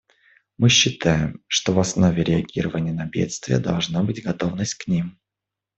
Мы считаем, что в основе реагирования на бедствия должна быть готовность к ним.